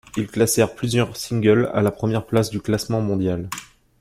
Il classèrent plusieurs singles à la première place du classement national.